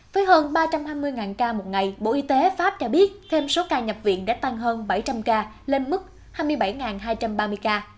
với hơn ba trăm hai mươi ca một ngày bộ y tế pháp cho biết thêm số ca nhập viện đã tăng hơn bảy trăm linh ca lên mức hai mươi bảy hai trăm ba mươi ca